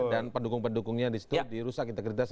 dan pendukung pendukungnya disitu dirusak integritas